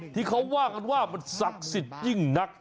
ที่เขาบอกว่าความศักดิ์สิทธิ์ยิ่งหนัก